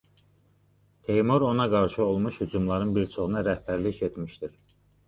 Teymur ona qarşı olmuş hücumların bir çoxuna rəhbərlik etmişdir.